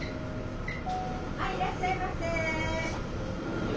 はいいらっしゃいませ。